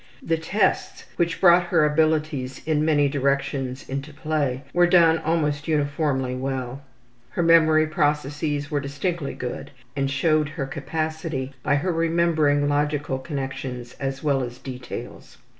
The tests, which brought her abilities in many directions into play, were done almost uniformly well. Her memory processes were distinctly good and showed her capacity by her remembering logical connections as well as details.